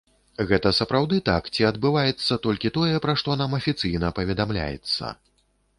Гэта сапраўды так, ці адбываецца толькі тое, пра што нам афіцыйна паведамляецца?